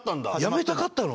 辞めたかったの？